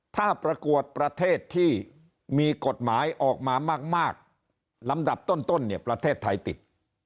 ถ้าประกวดประเทศที่มีกฎหมายออกมามากลำดับต้นเนี่ยประเทศไทยติด